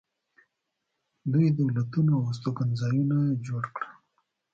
دوی دولتونه او استوګنځایونه یې جوړ کړل